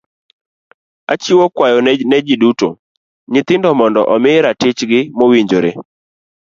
Achiwo kwayo ne ji duto, nyithindo mondo omi ratich gi mowinjore.